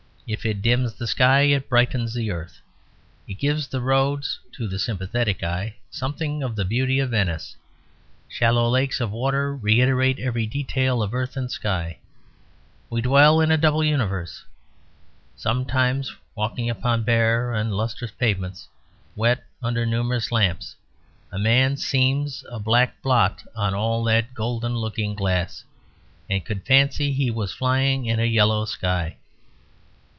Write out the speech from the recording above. If it dims the sky, it brightens the earth. It gives the roads (to the sympathetic eye) something of the beauty of Venice. Shallow lakes of water reiterate every detail of earth and sky; we dwell in a double universe. Sometimes walking upon bare and lustrous pavements, wet under numerous lamps, a man seems a black blot on all that golden looking glass, and could fancy he was flying in a yellow sky.